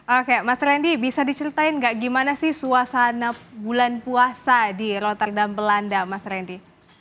oke mas randy bisa diceritain nggak gimana sih suasana bulan puasa di rotterdam belanda mas randy